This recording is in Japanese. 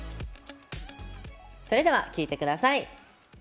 それでは聴いてください。